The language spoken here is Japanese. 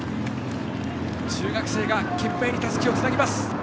中学生が懸命にたすきをつなぎます。